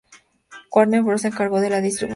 Warner Bros se encargó de la distribución.